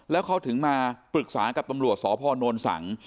แล้วเขาถึงมาปรึกษากับตำรวจสพนสัง